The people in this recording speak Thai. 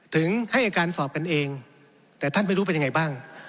ถึงให้อายการสอบกันเองแต่ท่านไม่รู้เป็นยังไงบ้าง